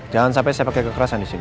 jangan sampai saya pakai kekerasan disini